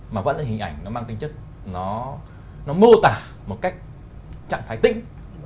mà vẫn là hình ảnh nó mang tính chất nó mô tả một cách trạng thái tĩnh